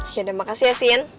ya udah makasih ya sien